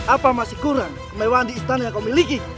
apa masih kurang mewahan di istana yang kau miliki